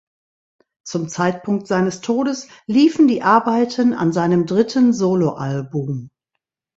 Zum Zeitpunkt seines Todes liefen die Arbeiten an seinem dritten Soloalbum.